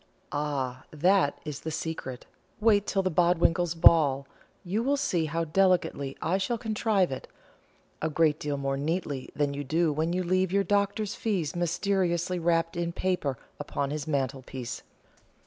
"Ah, that is the secret. Wait till the Bodwinkles' ball. You will see how delicately I shall contrive it; a great deal more neatly than you do when you leave your doctor's fee mysteriously wrapped in paper upon his mantelpiece.